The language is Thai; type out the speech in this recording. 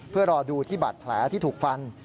เพื่อรอดูที่บาดแผลที่ถูกฟัน